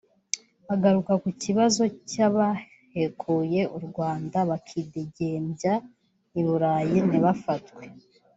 Agaruka ku kibazo cyabahekuye u Rwanda bakidegembya i Burayi ntibafatwe